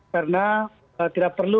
karena tidak perlu